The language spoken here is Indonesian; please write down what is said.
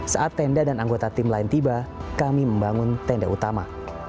saat tenda dan anggota tim lain tiba kami membangun tenda utama